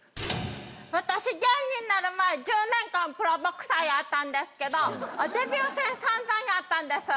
私芸人なる前１０年間プロボクサーやったんですけどデビュー戦散々やったんです。